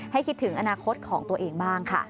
คิดถึงอนาคตของตัวเองบ้างค่ะ